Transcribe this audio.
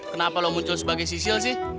kenapa lo muncul sebagai sisil sih